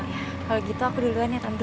kalau gitu aku duluan ya tante